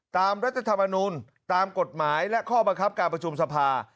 รัฐธรรมนูลตามกฎหมายและข้อบังคับการประชุมสภา